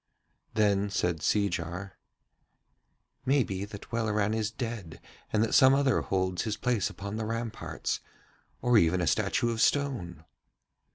Then said Seejar: 'Maybe that Welleran is dead and that some other holds his place upon the ramparts, or even a statue of stone.'